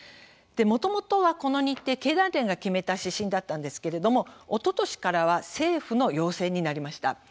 もともとはこの日程、経団連が決めた指針だったんですけれどもおととしからは政府の要請になりました。